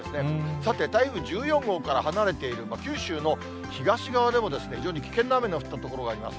さて台風１４号から離れている九州の東側でも非常に危険な雨が降った所があります。